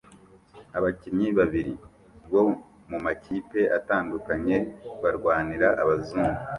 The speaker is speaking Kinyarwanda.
Abakinnyi babiri bo mumakipe atandukanye barwanira abazungu